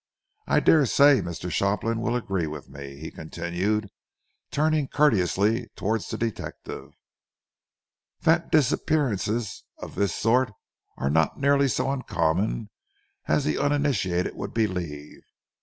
I dare say Mr. Shopland will agree with me," he continued, turning courteously towards the detective, "that disappearances of this sort are not nearly so uncommon as the uninitiated would believe.